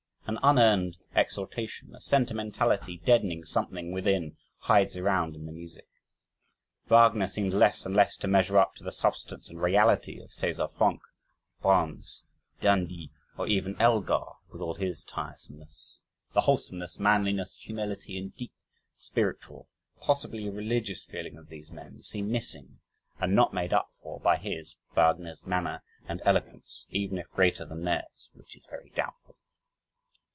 An unearned exultation a sentimentality deadening something within hides around in the music. Wagner seems less and less to measure up to the substance and reality of Cesar Franck, Brahms, d'Indy, or even Elgar (with all his tiresomeness), the wholesomeness, manliness, humility, and deep spiritual, possibly religious feeling of these men seem missing and not made up for by his (Wagner's) manner and eloquence, even if greater than theirs (which is very doubtful).